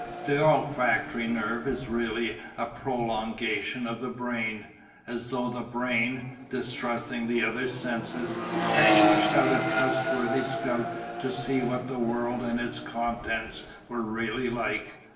The olfactory nerve is really a prolongation of the brain, as though the brain, distrusting the other senses, had pushed out a trustworthy scout to see what the world and its contents were really like.